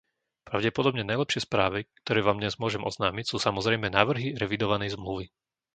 Pravdepodobne najlepšie správy, ktoré vám dnes môžem oznámiť, sú samozrejme návrhy revidovanej zmluvy.